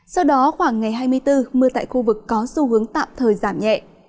sau đó khoảng ngày hai mươi bốn mưa tại khu vực có xu hướng tạm thời giảm nhẹ